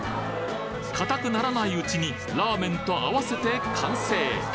硬くならないうちにラーメンと合わせて完成！